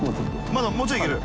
まだもうちょいいける？